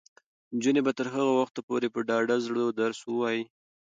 نجونې به تر هغه وخته پورې په ډاډه زړه درس وايي.